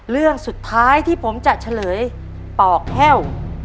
เรื่องสุดท้ายที่ผมจะเฉลยปอกแห้ว